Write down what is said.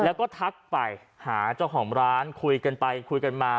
แล้วก็ทักไปหาเจ้าของร้านคุยกันไปคุยกันมา